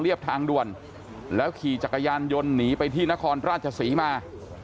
ทางด่วนแล้วขี่จักรยานยนต์หนีไปที่นครราชศรีมา